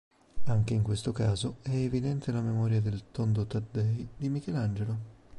Anche in questo caso è evidente la memoria del "Tondo Taddei" di Michelangelo.